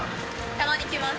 たまに来ます。